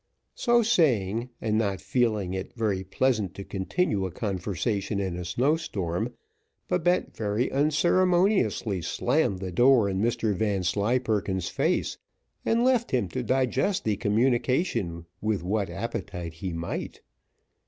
So saying, and not feeling it very pleasant to continue a conversation in a snow storm, Babette very unceremoniously slammed the door in Mr Vanslyperken's face, and left him to digest the communication with what appetite he might.